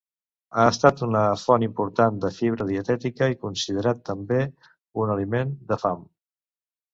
Ha estat una font important de fibra dietètica i considerat també un aliment de fam.